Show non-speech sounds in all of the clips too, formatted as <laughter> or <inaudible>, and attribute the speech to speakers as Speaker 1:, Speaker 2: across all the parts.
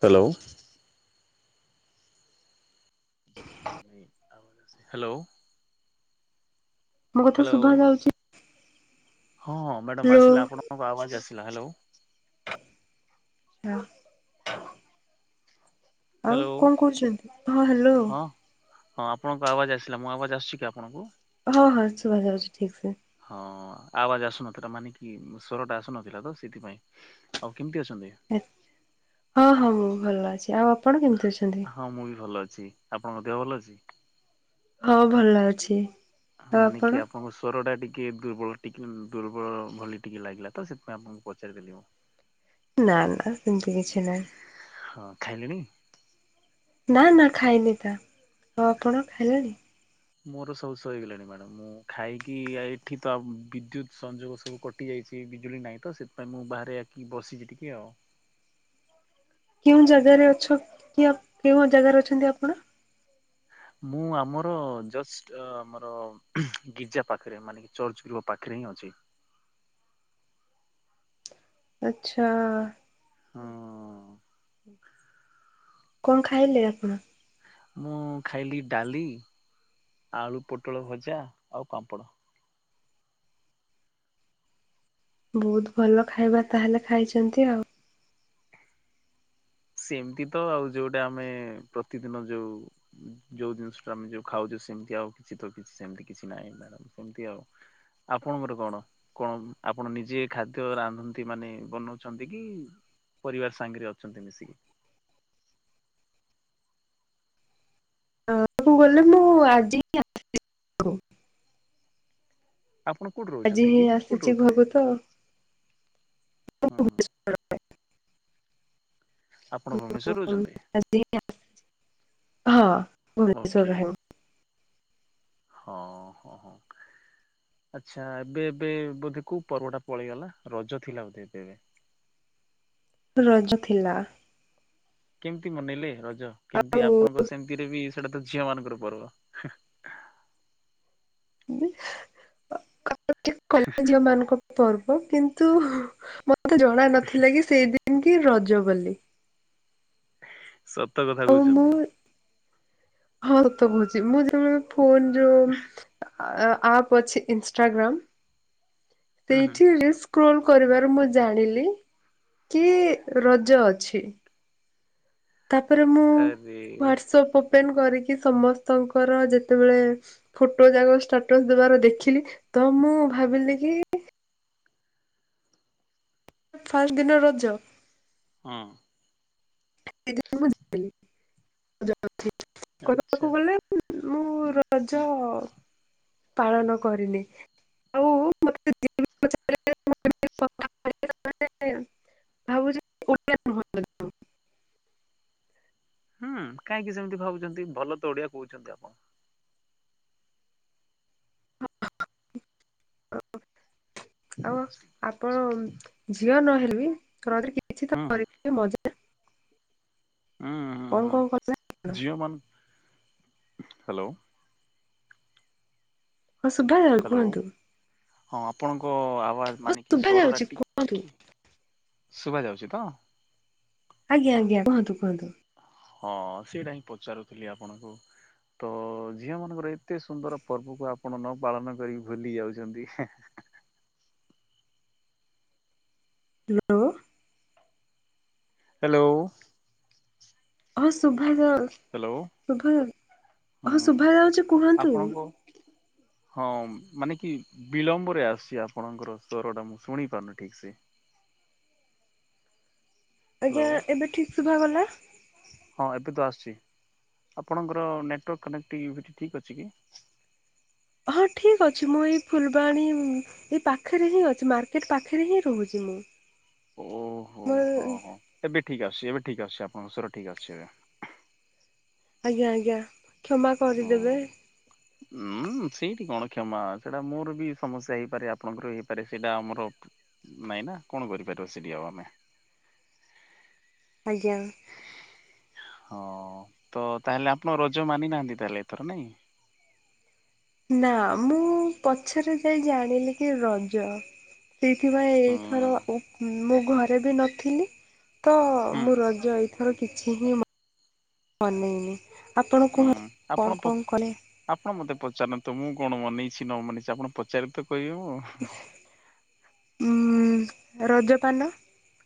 Speaker 1: Hello. Hello.
Speaker 2: ମୋ କଥା
Speaker 1: hello
Speaker 2: ଶୁଭା ଯାଉଛି
Speaker 1: ହଁ ମ୍ୟାଡ଼ମ୍
Speaker 2: ହ୍ୟାଲୋ
Speaker 1: ଆସିଲା ଆପଣଙ୍କ ଆବାଜ ଆସିଲା ହ୍ୟାଲୋ।
Speaker 2: ହେଲୋ। ଆଉ
Speaker 1: ହେଲୋ
Speaker 2: କଣ କରୁଛନ୍ତି ହଁ ହ୍ୟାଲୋ।
Speaker 1: ହଁ ହଁ ଆପଣଙ୍କ ଆବାଜ ଆସିଲା ମୁଁ ଆବାଜ ଆସୁଛି କି ଆପଣଙ୍କୁ?
Speaker 2: ହଁ ହଁ ଶୁଭା ଯାଉଛି ଠିକ ସେ।
Speaker 1: ହଁ ଆବାଜ ଆସୁନଥିଲା ମାନେ କି ସ୍ୱର ଟା ଆସୁନଥିଲା ତ ସେଥିପାଇଁ। ଆଉ କେମିତି ଅଛନ୍ତି?
Speaker 2: ଆ ହଁ ହଁ ମୁଁ ଭଲ ଅଛି ଆଉ ଆପଣ କେମିତି ଅଛନ୍ତି?
Speaker 1: ହଁ ମୁଁ ବି ଭଲ ଅଛି। ଆପଣଙ୍କ ଦେହ ଭଲ ଅଛି?
Speaker 2: ହଁ ଭଲ ଅଛି। ଆଉ
Speaker 1: ମାନେ
Speaker 2: ଆପଣ?
Speaker 1: କି ଆପ ଆପଣଙ୍କ ସ୍ୱରଟା ଟିକିେ ଦୁର୍ବଳ ଟିକେ ଦୁର୍ବଳ ଭଳି ଟିକେ ଲାଗିଲା ତ ସେଥିପାଇଁ ଆପଣଙ୍କୁ ପଚାରିଦେଲିି।
Speaker 2: ନା ନା ସେମିତି କିଛି ନହିଁ।
Speaker 1: ହଁ, ଖାଇଲେଣି?
Speaker 2: ନା ନା ଖାଇନି ତା, ଆଉ ଆପଣ ଖାଇଲେଣି?
Speaker 1: <inaudible> ମୋର ସବୁ ସହିଗଲାଣି ମ୍ୟାଡ଼ାମ, ମୁଁ ଖାଇକି, ଏଠି ତ ବିଦ୍ୟୁତ ସଂଯୋଗ ସବୁ କ କଟି ଯାଇଚି, ବିଜୁଳି ନାହିଁ ତ, ସେଥିପାଇଁ ମୁଁ ବାହାରେ ଆକି ବସିଚି ଟିକେ ଆଉ।
Speaker 2: କେଉଁ ଜାଗାରେ ଅଛ? କି କେଉଁ ଜାଗାରେ ଅଛନ୍ତି ଆପଣ?
Speaker 1: ମୁଁ ଆମର ଜଷ୍ଟ ଆମର, ଗିଜା ପାଖରେ, ମାନେ ଚର୍ଚ୍ଚ ଗୃହ ପାଖରେ ହିଁ ଅଛି।
Speaker 2: ଆଛା।
Speaker 1: ହଁ
Speaker 2: କଣ ଖାଇଲେ ଆପଣ?
Speaker 1: ମୁଁ ଖାଇଲି ଡାଲି, ଆଳୁ ପୋଟଳ ଭଜା ଆଉ ପାମ୍ପଡ଼।
Speaker 2: ବହୁତ ଭଲ ଖାଇବା ତାହେଲେ ଖାଇଚନ୍ତି ଆଉ।
Speaker 1: ସେମତି ତ ଆଉ, ଯୋଉଟା ଆମେ ପ୍ରତିଦିନ ଯୋଉ ଯୋଉ ଜିନିଷ ଟା ଆମେ ଯୋଉ ଖାଉଚେ, ସେମିତି ଆଉ କିଛି ତ କିଛି ସେମିତି କିଛି ନାହିଁ ମ୍ୟାଡାମ, ସେମତି ଆଉ। ଆପଣଙ୍କର କଣ? କଣ ଆପଣ ନିଜେ ଖାଦ୍ୟ ରାନ୍ଧନ୍ତି ମାନେ ବନଉଚନ୍ତି କି ପରିବାର ସାଙ୍ଗରେ ଅଛନ୍ତି ମିଶିକି।
Speaker 2: <unintelligible>
Speaker 1: ଆପଣ କୋଉଠି ର
Speaker 2: ଆଜି ହିଁ ଆସିଛି
Speaker 1: ହୁଁ ହୁଁ ଆପଣ ଭୁବନେଶ୍ୱର ରହୁଛନ୍ତି
Speaker 2: <unintelligible> ତ। <unintelligible> ହଁ,
Speaker 1: ଓକେ
Speaker 2: <unintelligible>
Speaker 1: ହଁ ହଁ ହଁ। ଆଛା, ଏବେ ଏବେ ବୋଧେ କୋଉ ପର୍ବଟା ପଳେଇଗଲା, ରଜ ଥିଲା ବୋଧେ ଏବେ ଏବେ।
Speaker 2: ରଜ ଥିଲା।
Speaker 1: କେମିତି ମନେଇଲେ ରଜ? କେମିତି
Speaker 2: ଆଉ
Speaker 1: ଆପଣଙ୍କ ସେମିତିରେ ବି ସେଇଟା ତ ଝିଅ ମାନଙ୍କର ପର୍ବ।
Speaker 2: କଲେ ଝିଅ ମାନଙ୍କ ପର୍ବ କିନ୍ତୁ ମତେ ଜଣା ନଥିଲା କି, ସେଇଦିନି କି ରଜ ବୋଲି।
Speaker 1: ସତ କଥା
Speaker 2: ଆଉ ମୁଁ
Speaker 1: କହୁଚନ୍ତି।
Speaker 2: ହଁ ସତ କହୁଚି, ମୁଁ ଜମାରୁ ଫୋନ ଯଉ ଆପ ଅଛି, ଇଷ୍ଟାଗ୍ରାମ
Speaker 1: ହୁଁ ହୁଁ
Speaker 2: ସେଇଠି ରିସ୍କି କଲ୍ କରିବାରୁ ମୁଁ ଜାଣିଲି, କି ରଜ ଅଛି। ତାପରେ ମୁଁ
Speaker 1: ଆରେ
Speaker 2: ହ୍ଵାଟସପ୍ ଓପେନ୍ କରିକି ସମସ୍ତଙ୍କର ଯେତେବେଳେ ଫଟୋ ଯାକ ଷ୍ଟାଟସ ଦେବାର ଦେଖିଲି, ତ ମୁଁ ଭାବିଲି କି ଫାଷ୍ଟ ଦିନ ରଜ
Speaker 1: ହଁ।
Speaker 2: <unintelligible> କହିବାକୁ
Speaker 1: ଆଚ୍ଛା।
Speaker 2: ଗଲେ ମୁଁ ର ରଜ ଅ ପାଳନ କରିନି, ଆଉ ମତେ <unintelligible> <unintelligible> ଭାବୁଚି <unintelligible>
Speaker 1: ହଁ, କାହିଁକି ସେମିତି ଭାବୁଚନ୍ତି, ଭଲ ତ ଓଡିଆ କହୁଚନ୍ତି ଆପଣ?
Speaker 2: ଆଉ
Speaker 1: ନମସ୍କାର।
Speaker 2: ଆପଣ ଝିଅ ନହେଲେ ବି, ଘରେ କିଛି ତ
Speaker 1: ହୁଁ
Speaker 2: କରିିଥିବେ ମଜା?
Speaker 1: ଉଁ ହୁଁ
Speaker 2: କଣ
Speaker 1: ହୁଁ,
Speaker 2: କଣ କଲେ
Speaker 1: ଜିଓମାନ, ହ୍ୟାଲୋ।
Speaker 2: ହଁ ସୁଭାଦା
Speaker 1: ହ୍ୟାଲୋ
Speaker 2: କୁହନ୍ତୁ?
Speaker 1: ହଁ ଆପଣଙ୍କ ଆବାଜ
Speaker 2: ହଁ
Speaker 1: ମାନେ କି
Speaker 2: ଶୁଭା
Speaker 1: ସ୍ୱର ଟା
Speaker 2: ଯାଉଛି କୁହନ୍ତୁ।
Speaker 1: ଟିକେ, ଶୁଭା ଯାଉଛି ତ?
Speaker 2: ଆଜ୍ଞା ଆଜ୍ଞା, କୁହନ୍ତୁ କୁହନ୍ତୁ।
Speaker 1: ହଁ ସେଇଟା ହିଁ ପଚାରୁଥିଲି ଆପଣଙ୍କୁ। ତ ଝିଅମାନଙ୍କର ଏତେ ସୁନ୍ଦର ପର୍ବକୁ ଆପଣ ନ ପାଳନ କରିକି ଭୁଲି ଯାଉଛନ୍ତି।
Speaker 2: ହ୍ୟାଲୋ।
Speaker 1: ହ୍ୟାଲୋ।
Speaker 2: ହଁ ଶଭାଗ,
Speaker 1: ହ୍ୟାଲୋ
Speaker 2: ଶଭା, ହଁ
Speaker 1: ହୁଁ
Speaker 2: ଶଭାଯାଉଛି କୁହନ୍ତୁ।
Speaker 1: ଆପଣଙ୍କ ହଁ ମାନେ କି ବିଳମ୍ବରେ ଆସୀ ଆପଣଙ୍କର ସ୍ୱରଟା ମୁଁ ଶୁଣିପାରୁନି ଠିକ୍ ସେ।
Speaker 2: ଆଜ୍ଞା,
Speaker 1: ହ୍ୟାଲୋ
Speaker 2: ଏବେ ଠିକ ଶୁଭା ଗଲା?
Speaker 1: ହଁ ଏବେ ତ ଆସୁଛି, ଆପଣଙ୍କର ନେଟୱାର୍କ କନେକ୍ଟିଭି ଠିକ୍ ଅଛି କି?
Speaker 2: ହଁ ଠିକ୍ ଅଛି, ମୁଁ ଏଇ ଫୁଲବାଣୀ ଏ ପାଖରେ ହିଁ ଅଛି, ମାର୍କେଟ ପାଖରେ ହିଁ ରହୁଛି ମୁଁ,
Speaker 1: ଓହୋ ହଁ
Speaker 2: ମୋ
Speaker 1: ହଁ ଏବେ ଠିକ୍ ଆସୁଛି, ଏବେ ଠିକ ଅଛି ଆପଣଙ୍କ ସ୍ୱର ଠିକ୍ ଅଛି ଏବେ।
Speaker 2: ଆଜ୍ଞା ଆଜ୍ଞା, କ୍ଷମା କରିଦେବେ।
Speaker 1: ଉୁଁ ସେଇଠି କଣ କ୍ଷମା, ସେଇଟା ମୋର ବି ସମସ୍ୟା ହେଇପାରେ ଆପଣଙ୍କର ହେଇପାରେ, ସେଇଟା ଆମର ନାଇଁ ନା, କଣ କରିପାରିବ ସେଠି ଆଉ ଆମେ
Speaker 2: ଆଜ୍ଞା।
Speaker 1: ହଁ ତ ତାହେଲେ ଆପଣ ରଜ ମାନିନାହାନ୍ତି ତାହେଲେ ଏଥର ନାଇଁ?
Speaker 2: ନା, ମୁଁ ପଛରେ ଯାଇ ଜାଣିଲି କି ରଜ ସେଇଥିପାଇଁ
Speaker 1: ହୁଁ
Speaker 2: ଏଇଥର ମୁଁ ଘରେ ବି ନଥିଲି। ତ
Speaker 1: ହୁଁ
Speaker 2: ମୁଁ ରଜ ଏଇଥର କିଛି ହିଁ ମନେଇନି। ଆପଣଙ୍କୁୁ
Speaker 1: ହୁଁ ଆପଣ
Speaker 2: କଣ
Speaker 1: ପ
Speaker 2: କଣ କରେ?
Speaker 1: ଆପଣ ମତେ ପଚାରନ୍ତୁ ମୁଁ କଣ ମନେଇଛି ନ ମନେଇଛି, ଆପଣ ପଚାରିବେ ତ କହିହେବ।
Speaker 2: ହୁଁ ରଜପାନ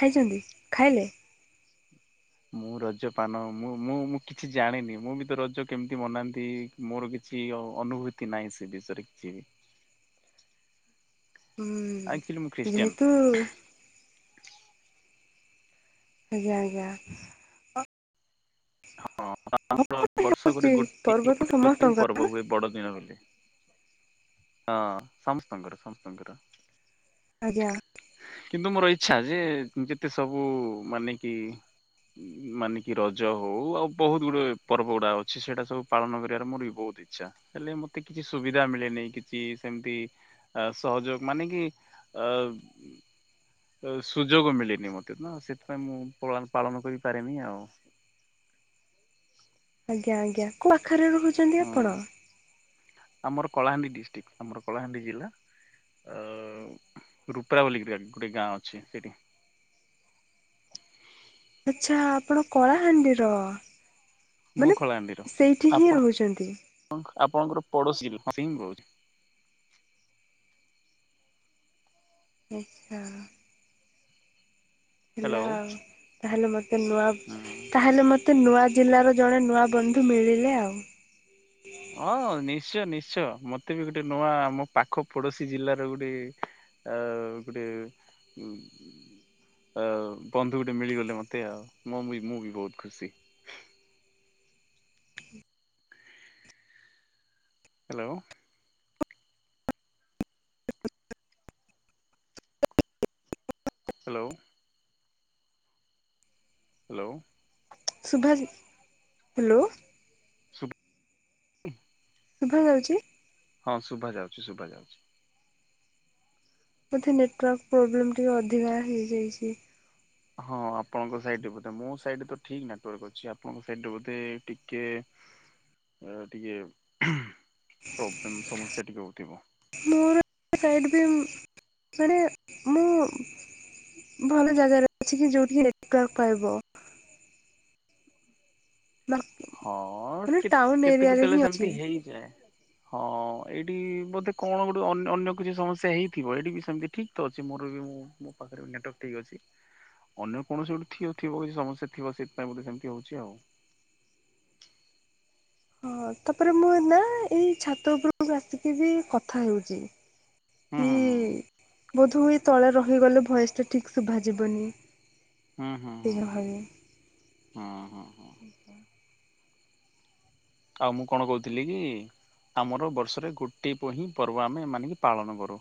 Speaker 2: ଖାଇଛନ୍ତି, ଖାଇଲେ?
Speaker 1: ମୁଁ ରଜ ପାନ ମୁଁ ମୁଁ ମୁଁ କିଛି ଜାଣିନି, ମୁଁ ବି ତ ରଜ କେମିତି ବନାନ୍ତି? ମୋର କିଛି ଅଅନୁଭୂତି ନାହିଁ ସେ ବିଷୟରେ କିଛି।
Speaker 2: ହୁଁ,
Speaker 1: ଆକ୍ଚୁଆଲି ମୁଁ ଖ୍ରୀଷ୍ଟିଆନ
Speaker 2: ଯେହେତୁ ଆଜ୍ଞା ଆଜ୍ଞ।
Speaker 1: ହଁ ଆମର ବର୍ଷ
Speaker 2: ହଉଛି
Speaker 1: ଗୋଟେ
Speaker 2: ପର୍ବ ତ
Speaker 1: <unintelligible>
Speaker 2: ସମସ୍ତଙ୍କର
Speaker 1: ପର୍ବ ହୁଏ ବଡଦିନ ବୋଲି। ହଁ ସମସ୍ତଙ୍କର ସମସ୍ତଙ୍କର।
Speaker 2: ଆଜ୍ଞା।
Speaker 1: କିନ୍ତୁ ମୋର ଇଚ୍ଛା, ଯେ ଯେତେ ସବୁ ମାନେ କି ମାନେ କି ରଜ ହଉ, ଆଉ ବହୁତ ଗୁଡେ ପର୍ବ ଗୁଡା ଅଛି ସେଇଟା ସବୁ ପାଳନ କରିବାର ମୋର ବି ବହୁତ ଇଚ୍ଛା। ହେଲେ ମତେ କିଛି ସୁବିଧା ମିଳେନି, କି ସିଏ ସେମିତି, ଆ ସହଯୋଗ ମାନେ କି ଅ ସୁଯୋଗ ମିଳିନି ମୋତେ ନା ସେଥିପାଇଁ ମୁଁ ପଳାନ ପାଳନ କରିପାରିନି ଆଉ।
Speaker 2: ଆଜ୍ଞା ଆଜ୍ଞା, କୋଉ ଆଖରେ ରହୁଛନ୍ତି
Speaker 1: ହଁ
Speaker 2: ଆପଣ?
Speaker 1: ଆମର କଳାହାଣ୍ଡି ଡିଷ୍ଟ୍ରିକ୍ଟ, ଆମର କଳାହାଣ୍ଡି ଜିଲ୍ଲା। ଆ ରୁପ୍ରା ବୋଲି ଗ୍ରାଟ ଗୋଟେ ଗାଁ ଅଛି ସେଇଠି।
Speaker 2: ଆଚ୍ଛା ଆପଣ କଳାହାଣ୍ଡିର।
Speaker 1: ମୁଁ
Speaker 2: ମାନେ
Speaker 1: ଖଳାହାଣ୍ଡିର।
Speaker 2: ସେଇଠି ହିଁ
Speaker 1: ଆପଣ
Speaker 2: ରହୁଛନ୍ତି।
Speaker 1: ଆପଣଙ୍କର ପଡୋଶୀ ର ସିଂ କହୁଚି।
Speaker 2: ନିଷ୍ଠା ହେଲା
Speaker 1: ହ୍ୟାଲୋ
Speaker 2: ଆଉ। ତା ହେଲେ ମୋତେ ନୂଆ।
Speaker 1: ହୁଁ।
Speaker 2: ମତେ ନୂଆ ଜିଲ୍ଲାର ଜଣେ, ନୂଆ ବନ୍ଧୁ ମିଳିଲେ ଆଉ।
Speaker 1: ହଁ ନିଶ୍ଚୟ। ନିଶ୍ଚୟ। ମତେ ବି ଗୋଟେ ନୂଆ ଆମ ପାଖ ପଡୋଶୀ ଜିଲ୍ଲାର ଗୋଟେ ଆ ଗୋଟେ ଉ ଆ ବନ୍ଧୁ ଗୋଟେ ମିଳିଗଲେ ମୋତେ ଆଉ। ମୁଁ ବି, ମୁଁ ବି ବହୁତ ଖୁସି। ହ୍ୟାଲୋ। ହ୍ୟାଲୋ। ହ୍ୟାଲୋ।
Speaker 2: ସୁଭାଯାଚି। ହ୍ୟାଲୋ। ଶୁଭା ଯାଉଛି।
Speaker 1: ହଁ ଶୁଭା ଯାଉଛି। ଶୁଭା ଯାଉଛି।
Speaker 2: ବୋଧେ ନେଟୱାର୍କ୍ ପ୍ରୋବ୍ଲେମ୍ ଟିକେ ଅଧିକା ହେଇଯାଇଛି।
Speaker 1: ହଁ ଆପଣଙ୍କ ସାଇଡରେ ବୋଧେ। ମୋ ସାଇଡରେ ତ ଠିକ୍ ନେଟାର୍କ ଅଛି। ଆପଣଙ୍କ ସାଇଡରେ ବୋଧେ ଟିକେ ଟିକେ ପ୍ରୋବ୍ଲେମ୍, ସମସ୍ୟା ଟିକେ ହଉଥିବ।
Speaker 2: ମୋର ସାଇଡ୍ ବି। ମାନେ ମୁଁ ଭଲ ଜାଗା ର ଅଛି କି? ଯୋଉଠି କି ନେଟୱାର୍କ ପାଇବ?
Speaker 1: ହଁ
Speaker 2: ମାନେ ଟାଉନ
Speaker 1: ଟି-କେତ୍
Speaker 2: ଏରିଆରେ
Speaker 1: କେ-କେତେଳେ
Speaker 2: ହିଁ ଅଛି।
Speaker 1: ସେମିତି ହେଇଯାଏ। ହଁ ଏଇଠି ବୋଧେ କଣ ଗୋଟେ ଅନ୍ୟ ଅନ୍ୟ କିଛି ସମସ୍ୟା ହେଇଥିବ? ଏଇଠି ବି ସେମିତି କି ଅଛି ମୋର ବି, ମୁଁ ମୋ ପାଖରେ ନେଟୱାର୍କ ଠିକ୍ ଅଛି। ଅନ୍ୟ କୌଣସି ଗୋଟେ ଥି-ଥିବ କିଛି ସମସ୍ୟା ଥିବ। ସେଇଥିପାଇଁ ବୋଧେ ସେମିତି ହଉଛି ଆଉ।
Speaker 2: ହଁ। ତାପରେ ମୁଁ ନା, ଏଇ ଛାତ ଉପର ଆସିକି ବି କଥା ହେଉଛି।
Speaker 1: ହୁଁ
Speaker 2: କି
Speaker 1: ହୁଁ
Speaker 2: ବୋଧ ହୁଏ, ତଳେ ରହିଗଲେ ଭଏସଟା ଠିକ୍ ଶୁଭାଯିବ ନି।
Speaker 1: ହୁଁ ହୁଁ ହୁଁ। ଆଉ ମୁଁ କଣ କହୁଥିଲି କି? ଆମର ବର୍ଷରେ ଗୋଟିଏକୁ ହିଁ ପର୍ବ ଆମେ ଏମାନେ ପାଳନ କରୁ।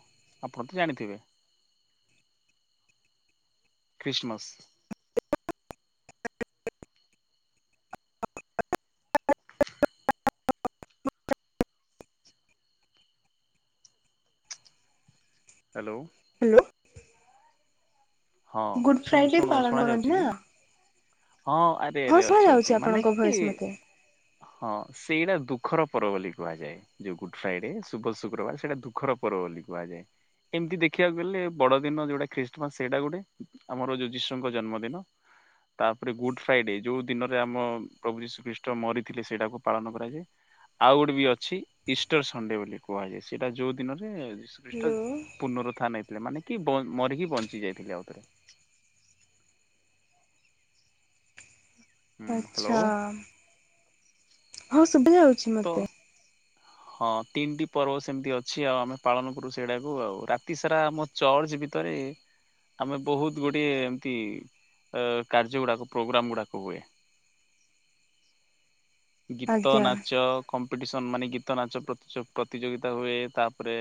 Speaker 1: ଆପଣ ତ ଜାଣିଥିବେ। ଖ୍ରୀଷ୍ଟମାସ୍। ହ୍ୟାଲୋ।
Speaker 2: ହ୍ୟାଲୋ।
Speaker 1: ହଁ
Speaker 2: ଗୁଡ ଫ୍ରାଇଡେ ପାଳନ
Speaker 1: ଶୁଣ୍-ଶୁଣ୍-ଶୁଣା
Speaker 2: କରନ୍ତି
Speaker 1: ଯାଉଛି
Speaker 2: ନା
Speaker 1: କି? ହଁ ଆରେ
Speaker 2: ହଁ
Speaker 1: ଆରେ
Speaker 2: ଶୁଭା
Speaker 1: ଅଛି,
Speaker 2: ଯାଉଛି
Speaker 1: ଅଛି। ମାନେ
Speaker 2: ଆପଣଙ୍କ
Speaker 1: କି
Speaker 2: ଭଏସ ମତେ।
Speaker 1: ହଁ ସେଇଟା ଦୁଃଖର ପର୍ବ ବୋଲି କୁହାଯାଏ। ଯୋଉ ଗୁଡ୍ ଫ୍ରାଇଡେ ଶୁକ-ଶୁକ୍ରବାର। ସେଇଟା ଦୁଃଖର ପର୍ବ ବୋଲି କୁହାଯାଏ। ଏମିତି ଦେଖିବାକୁ ଗଲେ ବଡ ଦିନ ଯୋଉଟା ଖ୍ରୀଷ୍ଟମାସ୍। ସେଇଟା ଗୋଟେ ଆମର ଯିଶୁଙ୍କ ଜନ୍ମଦିନ। ତା ପରେ ଗୁଡ୍ ଫ୍ରାଇଡେ, ଯୋଉ ଦିନରେ ଆମ ପ୍ରଭୁ ଯିଶୁଖ୍ରୀଷ୍ଟ ମରିଥିଲେ, ସେଇଟାକୁ ପାଳନ କରାଯାଏ। ଆଉ ଗୋଟେ ବି ଅଛି ଇଷ୍ଟର ସଣ୍ଡେ ବୋଲି କୁହାଯାଏ ସେଇଟା ଯୋଉ ଦିନରେ ଖ୍ରୀଷ୍ଟ
Speaker 2: ହ୍ୟାଲୋ
Speaker 1: ପୁନରୁଥାନ ହେଇଥିଲେ। ମାନେ କି ମରିକି ବଞ୍ଚି ଯାଇଥିଲେ ଆଉ ଥରେ। ହୁଁ
Speaker 2: ଆଛା।
Speaker 1: ହ୍ୟାଲୋ
Speaker 2: ହଉ, ଶୁଭା ଯାଉଛି
Speaker 1: ତ
Speaker 2: ମତେ।
Speaker 1: ହଁ ତିନିଟି ପର୍ବ ସେମିତି ଅଛି ଆଉ। ଆମେ ପାଳନ କରୁ ସେଇଡାକୁ ଆଉ। ରାତି ସାରା ଆମ ଚର୍ଚ୍ଚ ଭିତରେ ଆମେ ବହୁତ ଗୁଡ଼ିଏ ଏମିତି କାର୍ଯ୍ୟ ଗୁଡ଼ାକ ପ୍ରୋଗ୍ରାମ୍ ଗୁଡ଼ାକ ହୁଏ। ଗୀତ,
Speaker 2: ଆଜ୍ଞା।
Speaker 1: ନାଚ କମ୍ପିଟିସନ୍ ମାନେ ଗୀତ ନାଚ ପ୍ର-ପ୍ରତିଯୋଗିତା ହୁଏ। ତା ପରେ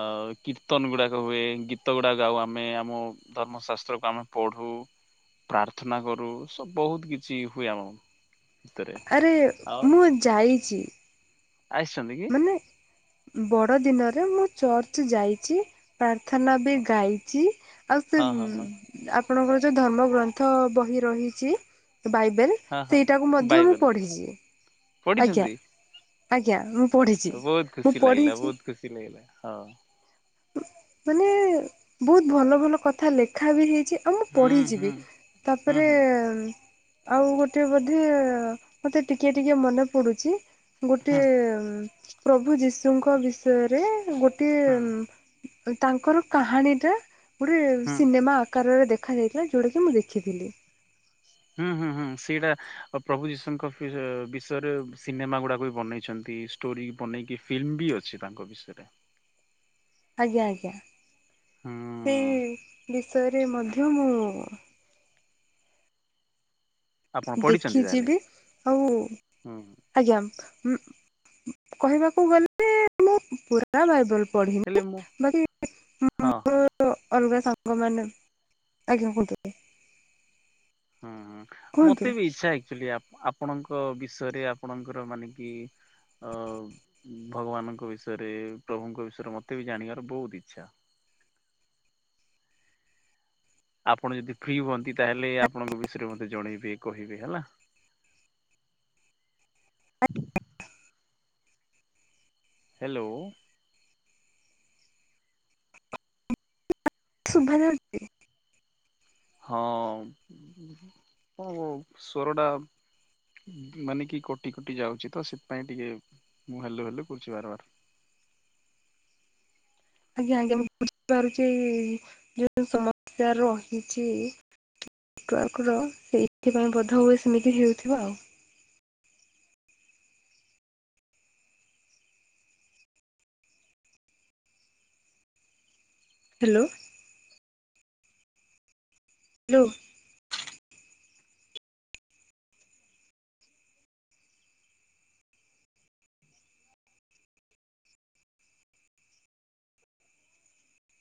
Speaker 1: ଆଉ କୀର୍ତ୍ତନ ଗୁଡାକ ହୁଏ। ଗୀତ ଗୁଡାକ ଗାଉ ଆମେ। ଆମ ଧର୍ମଶାସ୍ତ୍ରକୁ ଆମ ପଢ଼ୁ, ପ୍ରାର୍ଥନା କରୁ। ସବ୍ ବହୁତ କିଛି ହୁଏ। ଆମ ଭିତରେ
Speaker 2: ଆରେ
Speaker 1: ଆଉ
Speaker 2: ମୁଁ ଯାଇଛି।
Speaker 1: ଆସିଛନ୍ତି କି?
Speaker 2: ନେ ବଡ ଦିନରେ ମୁଁ ଚର୍ଚ୍ଚ ଯାଇଛି। ପ୍ରାର୍ଥନା ବି
Speaker 1: ହଁ
Speaker 2: ଗାଇଛି ଆଉ ସେ
Speaker 1: ହଁ
Speaker 2: ଉଁ,
Speaker 1: ହଁ ହଁ
Speaker 2: ଆପଣଙ୍କର ଯୋଉ ଧର୍ମ ଗ୍ରନ୍ଥ ବହି ରହିଛି ଏ ବାଇବେଲ।
Speaker 1: ହଁ ହଁ
Speaker 2: ସେଇଟାକୁ ମଧ୍ୟ ମୁଁ
Speaker 1: ବାଇବେଲ
Speaker 2: ପଢିଛି।
Speaker 1: ପଢିଛନ୍ତି?
Speaker 2: ଆଜ୍ଞା ମୁଁ ପଢ଼ିଛି
Speaker 1: ବହୁତ
Speaker 2: ମୁଁ
Speaker 1: ଖୁସି ଲାଗିଲା,
Speaker 2: ପଢ଼ିଛି
Speaker 1: ବହୁତ ଖୁସି ଲାଗିଲା ହଁ।
Speaker 2: ହୁଁ, ମାନେ ବହୁତ ଭଲ ଭଲ କଥା ଲେଖା ବି ହେଇଛି। ଆଉ ମୁଁ
Speaker 1: ହୁଁ
Speaker 2: ପଢ଼ିଛି
Speaker 1: ହୁଁ
Speaker 2: ବି
Speaker 1: ହୁଁ
Speaker 2: ତାପରେ
Speaker 1: ହୁଁ
Speaker 2: ଉଁ, ଆଉ ଗୋଟେ ବୋଧେ ମୋତେ ଟିକେ ଟିକେ ମନେ ପଡୁଛି। ଗୋଟେ
Speaker 1: ହୁଁ
Speaker 2: ଉଁ, ପ୍ରଭୁ ଯୀଶୁଙ୍କ ବିଷୟରେ ଗୋଟିଏ
Speaker 1: ହୁଁ
Speaker 2: ଉଁ, ଓ ତାଙ୍କର କାହାଣୀ ଟା ଗୋଟେ
Speaker 1: ହୁଁ।
Speaker 2: ସିନେମା କାରରେ ଦେଖାଯାଇଥିଲା ଯୋଉଟାକି ମୁଁ ଦେଖିଥିଲି।
Speaker 1: ହୁଁ, ହୁଁ, ହୁଁ ସେଇଟା ପ-ପ୍ରଭୁ ଯୀଶୁଙ୍କ ଫିସେ-ବିଷୟରେ ସିନେମା ଗୁଡାକ ବି ବନେଇଛନ୍ତି। ଷ୍ଟୋରି ବନେଇକି ଫିଲ୍ମ ବି ଅଛି ତାଙ୍କ ବିଷୟରେ।
Speaker 2: ଆଜ୍ଞା, ଆଜ୍ଞା ସେଇ
Speaker 1: ହୁଁ
Speaker 2: ବିଷୟରେ ମଧ୍ୟ ମୁଁ
Speaker 1: ଆପଣ ପଢିଛନ୍ତି
Speaker 2: ଦେଖିଚି
Speaker 1: ତାହେଲେ?
Speaker 2: ବି ଆଉ
Speaker 1: ହୁଁ
Speaker 2: ଆଜ୍ଞା, ଉଁ, କହିବାକୁ ଗଲେ ମୁଁ ପୁରା ଆ ବାଇବେଲ
Speaker 1: ହେଲେ
Speaker 2: ପଢିନି,
Speaker 1: ମୁଁ
Speaker 2: ବାକି <inaudible>
Speaker 1: ହଁ ହଁ।
Speaker 2: ତ ଅଲଗା ସାଙ୍ଗମାନେ ଆଜ୍ଞା <inaudible>
Speaker 1: ହଁ, ହଁ
Speaker 2: କୁହନ୍ତୁ
Speaker 1: ମୋତେ ବି ଇଚ୍ଛା ଏକ୍ଚୁଲି ଆପ ଆ ଆପଣଙ୍କ ବିଷୟରେ ଆପଣଙ୍କର ମାନେ କି ଅ, ଭଗବାନଙ୍କ ବିଷୟରେ ପ୍ରଭୁଙ୍କ ବିଷୟରେ ମୋତେ ବି ଜାଣିବାର ବହୁତ ଇଚ୍ଛା। ଆପଣ ଯଦି ଫ୍ରି ହୁଅନ୍ତି ତାହେଲେ ଆପଣଙ୍କ ବିଷୟରେ ମୋତେ ଜଣେଇବେ କହିବେ ହେଲା। ହେଲୋ।
Speaker 2: ଶୁଭା ଯାଉଛି?
Speaker 1: ହଁ ଆପଣଙ୍କ ସ୍ବର ଟା ଉ, ମାନେ କି କଟି କଟି ଯାଉଛି ତ ସେଥିପାଇଁ ଟିକେ ମୁଁ ହେଲୋ ହେଲୋ କରୁଛି ବାରବାର।
Speaker 2: ଆଜ୍ଞା, ଆଜ୍ଞା ମୁଁ ବୁଝିପାରୁଚି ଯୋଉ ସମସ୍ୟା ରହିଛି। ନେଟୱାର୍କର ସେଇଥିପାଇଁ ବୋଧହୁଏ ସେମିତି ହେଇଥିବ ଆଉ। ହେଲୋ। ଲୋ